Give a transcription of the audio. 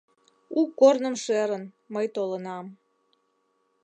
У корным шерын, мый толынам.